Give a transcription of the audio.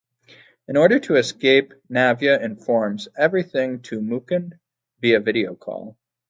In order to escape Navya informs everything to Mukund via video call.